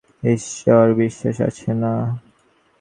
নিজের উপর বিশ্বাস না আসিলে ঈশ্বরে বিশ্বাস আসে না।